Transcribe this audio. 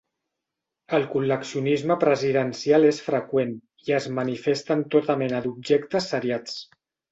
El col·leccionisme presidencial és freqüent i es manifesta en tota mena d'objectes seriats.